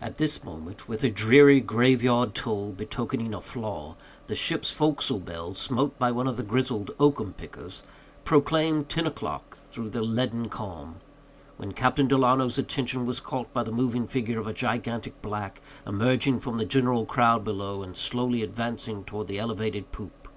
At this moment, with a dreary grave yard toll, betokening a flaw, the ship's forecastle bell, smote by one of the grizzled oakum pickers, proclaimed ten o'clock, through the leaden calm; when Captain Delano's attention was caught by the moving figure of a gigantic black, emerging from the general crowd below, and slowly advancing towards the elevated poop.